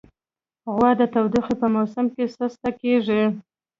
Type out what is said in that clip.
غوا د تودوخې په موسم کې سسته کېږي.